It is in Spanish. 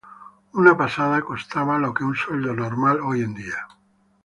Una pasada costaba lo que un sueldo normal hoy en día.